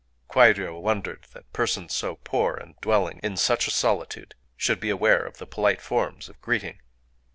Kwairyō wondered that persons so poor, and dwelling in such a solitude, should be aware of the polite forms of greeting.